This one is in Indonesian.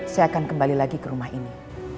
saya akan kembali lagi ke rumah ini